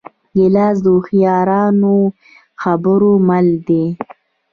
ګیلاس د هوښیارو خبرو مل دی.